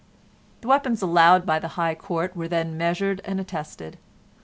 The weapons allowed by the High Court were then measured and attested.